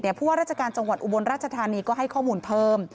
ผู้ว่าราชการจังหวัดอุบลราชธานีก็ให้ข้อมูลเพิ่ม